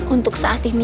untuk saat ini